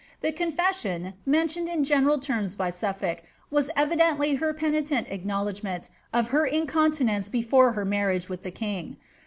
The confession, mentioned in general terms by Sufibik, was evidently her penitent acknowledgment of her incontinence before her marriage with the king.